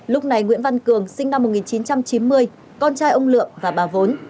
lúc này nguyễn văn cường sinh năm một nghìn chín trăm chín mươi con trai ông lượng và bà vốn